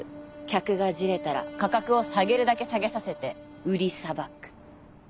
客がじれたら価格を下げるだけ下げさせて売りさばく。